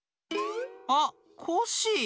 あっコッシー。